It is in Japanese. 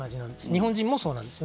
日本人もそうです。